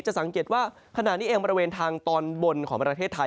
สังเกตว่าขณะนี้เองบริเวณทางตอนบนของประเทศไทย